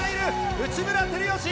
内村光良。